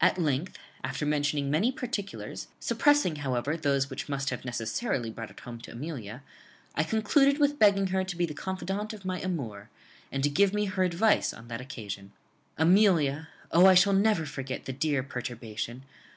At length, after mentioning many particulars, suppressing, however, those which must have necessarily brought it home to Amelia, I concluded with begging her to be the confidante of my amour, and to give me her advice on that occasion. "Amelia (O, I shall never forget the dear perturbation!)